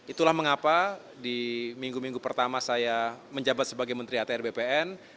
itulah mengapa di minggu minggu pertama saya menjabat sebagai menteri atr bpn